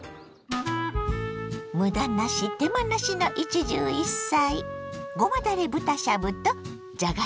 むだなし手間なしの一汁一菜。